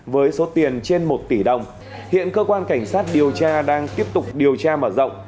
với số tiền trên một tỷ đồng hiện cơ quan cảnh sát điều tra đang tiếp tục điều tra mở rộng